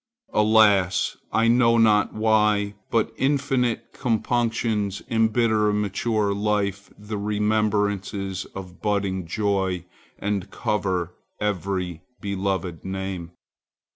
Alas! I know not why, but infinite compunctions embitter in mature life the remembrances of budding joy and cover every beloved name.